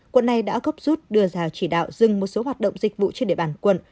quận này đã góp rút đưa ra chỉ đạo dừng một số hoạt động dịch vụ trên địa bàn quận